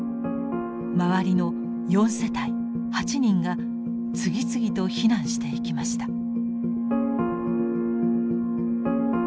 周りの４世帯８人が次々と避難していきました。